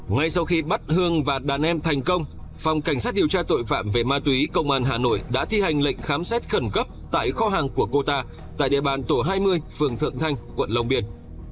ngay sau khi bắt hương và đàn em thành công phòng cảnh sát điều tra tội phạm về ma túy công an hà nội đã thi hành lệnh khám xét khẩn cấp tại kho hàng của cô ta tại địa bàn tổ hai mươi phường thượng thanh quận long biên